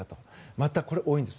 またこれが多いんです。